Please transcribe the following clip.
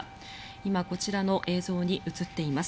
今、こちらの映像に映っています。